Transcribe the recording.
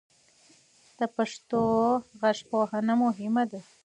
د پښتو غږپوهنه مهمه ده.